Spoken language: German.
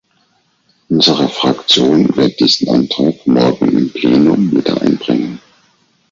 Unsere Fraktion wird diesen Antrag morgen im Plenum wieder einbringen.